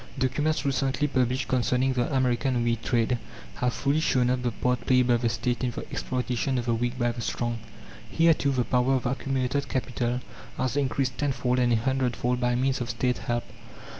Documents recently published concerning the American wheat trade have fully shown up the part played by the State in the exploitation of the weak by the strong. Here, too, the power of accumulated capital has increased tenfold and a hundredfold by means of State help.